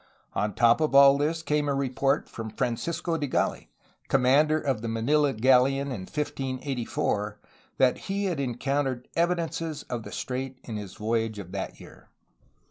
On top of all this came a report from Francisco de Gali, commander of the Manila galleon of 1584, that he had encountered evidences of the strait in his voyage of that year.